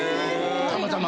たまたま？